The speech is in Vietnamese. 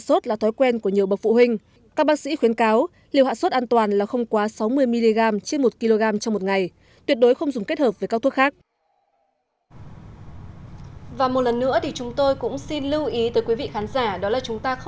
và một lần nữa thì chúng tôi cũng xin lưu ý tới quý vị khán giả đó là chúng ta không nên tự ý sử dụng thuốc hạ sốt cho các cháu nhỏ